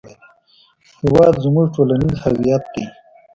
هېواد زموږ ټولنیز هویت دی